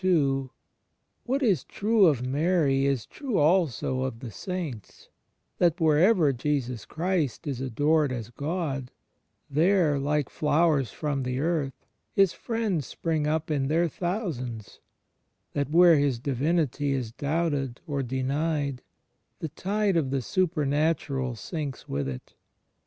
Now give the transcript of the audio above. • n. What is true of Mary is true also of the saints — that wherever Jesus Christ is adored as Gk)d, there, like flowers from the earth. His friends spring up in their thousands; that where His Divinity is doubted or denied, the tide of the supemat\iral sinks with it.